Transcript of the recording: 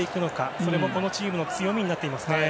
それも、このチームの強みになっていますね。